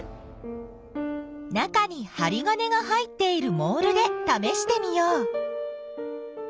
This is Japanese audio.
中にはり金が入っているモールでためしてみよう。